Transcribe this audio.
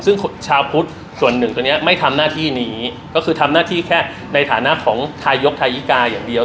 ซึ่งชาวพุทธส่วนหนึ่งตัวนี้ไม่ทำหน้าที่นี้ก็คือทำหน้าที่แค่ในฐานะของทายกทายิกาอย่างเดียว